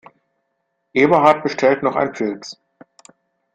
Eberhard bestellt noch ein Pils.